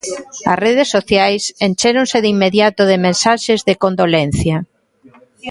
As redes sociais enchéronse de inmediato de mensaxes de condolencia.